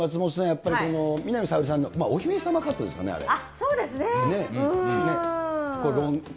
やっぱり、南沙織さんのお姫様カットですかね、あれ。